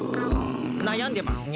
なやんでますね。